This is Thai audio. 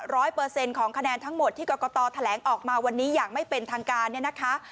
เปอร์เซ็นต์ของคะแนนทั้งหมดที่กรกตแถลงออกมาวันนี้อย่างไม่เป็นทางการเนี่ยนะคะ